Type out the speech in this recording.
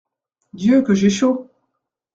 Dieu, que j’ai chaud !